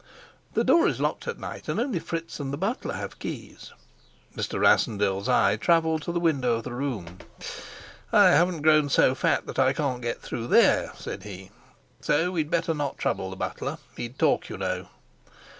"The door is locked at night, and only Fritz and the butler have keys." Mr. Rassendyll's eye traveled to the window of the room. "I haven't grown so fat that I can't get through there," said he. "So we'd better not trouble the butler. He'd talk, you know."